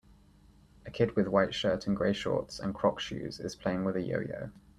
A kid with white shirt and gray shorts and croc shoes is playing with a yoyo